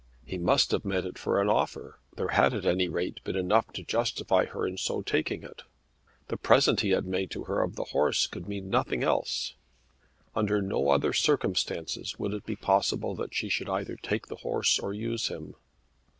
He must have meant it for an offer. There had at any rate been enough to justify her in so taking it. The present he had made to her of the horse could mean nothing else. Under no other circumstances would it be possible that she should either take the horse or use him.